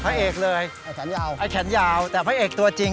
พระเอกเลยไอ้แขนยาวแต่พระเอกตัวจริง